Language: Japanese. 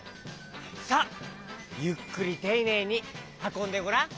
さあゆっくりていねいにはこんでごらん。